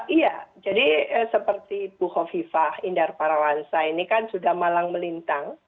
iya jadi seperti bu kofifah indar parawansa ini kan sudah malang melintang